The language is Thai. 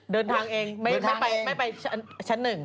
เดินทางเองไม่ไปชั้นหนึ่ง